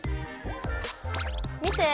見て！